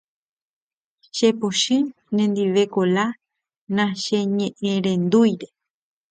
chepochy nendive Kola nacheñe'ẽrendúire